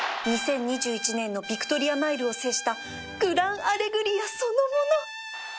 ２０２１年のヴィクトリアマイルを制したグランアレグリアそのもの